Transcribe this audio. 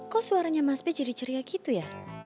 kok suaranya mas be ceri ceri gitu ya